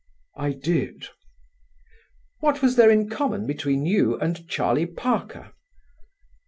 "I did." "What was there in common between you and Charlie Parker?"